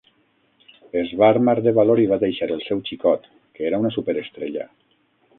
Es va armar de valor i va deixar el seu xicot que era una superestrella.